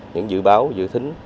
những dự báo dự thính